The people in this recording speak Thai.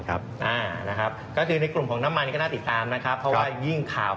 ก็คือในกลุ่มของน้ำมันนั้นก็หน้าติดตาม